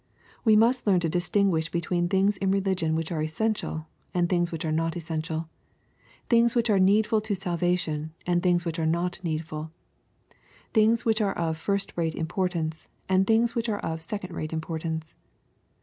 We must learn to distinguish between things in religion which are essential, and things which are not essential — things which are needful to salvation, and things which are not needful, — things which are of first rate importance, and things which are of second rate importance.